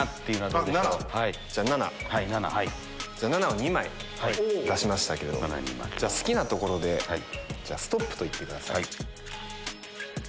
じゃあ７７を２枚出しましたけれど好きなところでストップと言ってください。